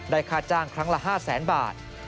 ค่าจ้างครั้งละ๕แสนบาท